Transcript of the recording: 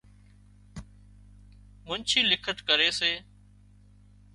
منڇي لکت ڪري سي